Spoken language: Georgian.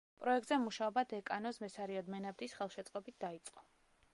პროექტზე მუშაობა დეკანოზ ბესარიონ მენაბდის ხელშეწყობით დაიწყო.